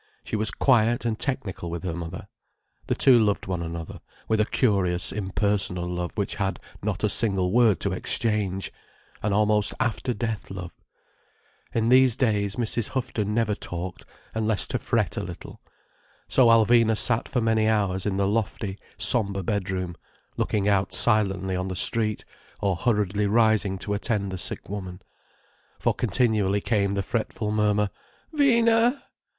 She was quiet and technical with her mother. The two loved one another, with a curious impersonal love which had not a single word to exchange: an almost after death love. In these days Mrs. Houghton never talked—unless to fret a little. So Alvina sat for many hours in the lofty, sombre bedroom, looking out silently on the street, or hurriedly rising to attend the sick woman. For continually came the fretful murmur: "Vina!"